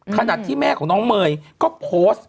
ขณะที่แม่ของน้องเมย์ก็โพสต์